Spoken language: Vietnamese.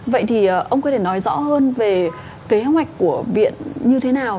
vậy thì ông có thể nói rõ hơn về cái hướng mạch của viện như thế nào